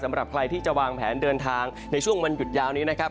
สำหรับใครที่จะวางแผนเดินทางในช่วงวันหยุดยาวนี้นะครับ